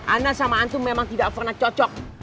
ana sama antu memang tidak pernah cocok